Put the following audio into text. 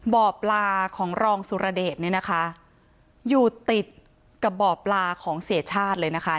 บ่อปลาของรองสุรเดชเนี่ยนะคะอยู่ติดกับบ่อปลาของเสียชาติเลยนะคะ